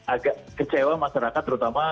agak kecewa masyarakat terutama